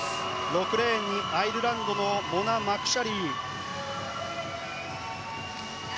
６レーンにアイルランドのモナ・マクシャリー。